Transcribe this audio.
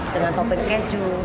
dengan topping keju